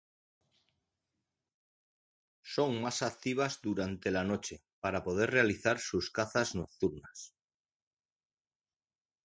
Son más activas durante la noche para poder realizar sus cazas nocturnas.